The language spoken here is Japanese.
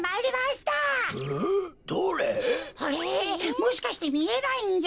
もしかしてみえないんじゃ？